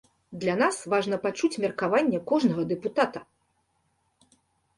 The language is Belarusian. Для нас важна пачуць меркаванне кожнага дэпутата.